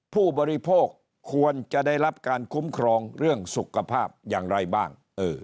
ผู้บริโภคควรจะได้รับการคุ้มครองเรื่องสุขภาพอย่างไรบ้าง